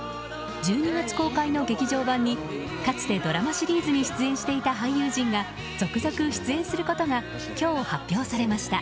１２月公開の劇場版にかつてドラマシリーズに出演していた俳優陣が続々出演することが今日、発表されました。